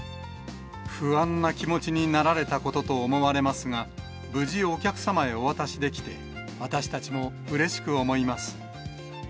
不安な気持ちになられたことと思われますが、無事、お客様へお渡しできて、私たちもうれしく思います。